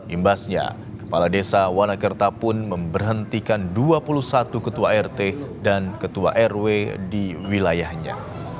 imbasnya kepala desa wanakerta pun memberhentikan dua puluh satu ketua rt dan ketua rw di wilayahnya